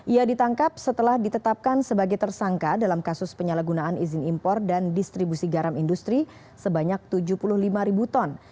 ia ditangkap setelah ditetapkan sebagai tersangka dalam kasus penyalahgunaan izin impor dan distribusi garam industri sebanyak tujuh puluh lima ribu ton